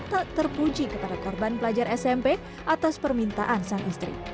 tak terpuji kepada korban pelajar smp atas permintaan sang istri